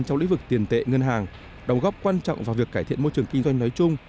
trong lĩnh vực tiền tệ ngân hàng đồng góp quan trọng vào việc cải thiện môi trường kinh doanh nói chung